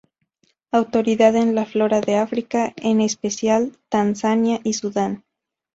Autoridad en la flora de África, en especial Tanzania y Sudán.